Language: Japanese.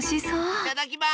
いただきます！